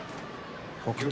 北勝